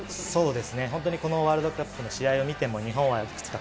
そうですね、本当にこのワールドカップの試合を見ても、日本はいくつか